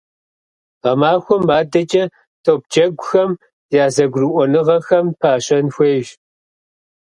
Гъэмахуэм адэкӀэ топджэгухэм я зэгурыӀуэныгъэхэм пащэн хуейщ.